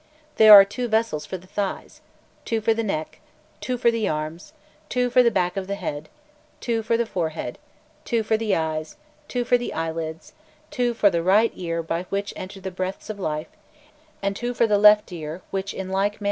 There are two vessels for the thighs, two for the neck, two for the arms, two for the back of the head, two for the forehead, two for the eyes, two for the eyelids, two for the right ear by which enter the breaths of life, and two for the left ear which in like manner admit the breaths of death."